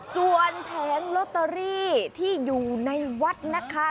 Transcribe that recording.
ส่วนแผงลอตเตอรี่ที่อยู่ในวัดนะคะ